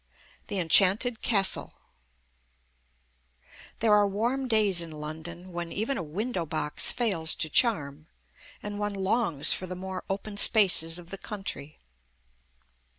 THE ENCHANTED CASTLE There are warm days in London when even a window box fails to charm, and one longs for the more open spaces of the country.